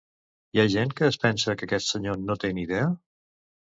Hi ha gent que es pensa que aquest senyor no té ni idea?